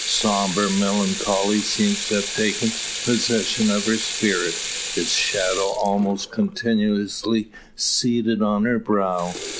Sombre melancholy seems to have taken possession of her spirit, its shadow almost continuously seated on her brow.